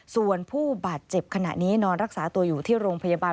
ส่วนผู้บาดเจ็บขณะนี้นอนรักษาตัวอยู่ที่โรงพยาบาล